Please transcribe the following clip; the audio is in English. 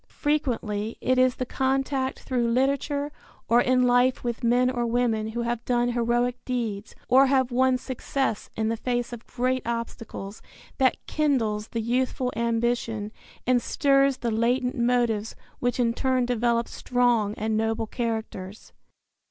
Frequently it is the contact through literature or in life with men or women who have done heroic deeds or have won success in the face of great obstacles that kindles the youthful ambition and stirs the latent motives which in turn develop strong and noble characters.